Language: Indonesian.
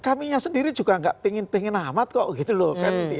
kaminya sendiri juga enggak pengen pengen amat kok gitu loh kan di pantara politis